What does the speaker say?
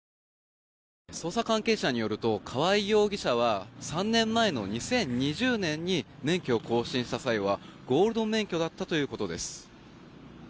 捜査関係者によると川合容疑者は３年前の２０２０年に免許を更新した際はゴールド免許だったということです。